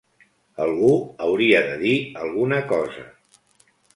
Algú hauria de dir alguna cosa